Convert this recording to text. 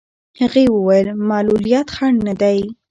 هغې وویل معلولیت خنډ نه دی.